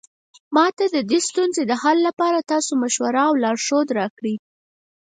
ما ته د دې ستونزې د حل لپاره تاسو مشوره او لارښوونه راکړئ